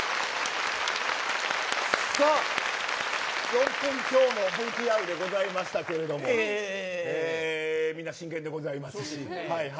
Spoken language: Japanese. ４分強のＶＴＲでございましたけれどみな、真剣でございます。